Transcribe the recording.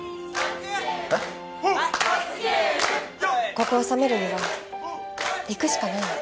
ここを収めるには行くしかないよ。